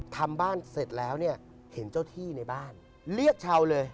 ทำบ้านเสร็จแล้วเนี่ยเห็นเจ้าที่ในบ้านเรียกชาวเลย